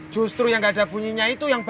justru yang enggak ada bunyinya itu yang bau